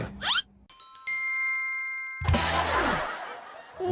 ทัดทั้ง